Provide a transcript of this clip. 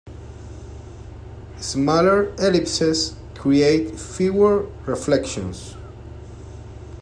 Smaller ellipses create fewer reflections.